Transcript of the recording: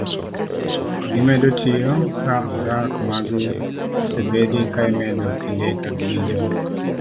Gimedo tiyo ka orak magi osebedi ka imedo kinde ka kinde